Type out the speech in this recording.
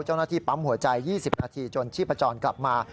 เจ้าหน้าที่ปั๊มหัวใจ๒๐นาทีจนชีพจรกลับมา